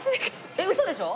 えっウソでしょ？